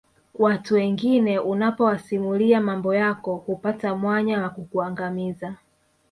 Watu wengine unapowasimulia mambo yako hupata mwanya wa kukuangamiza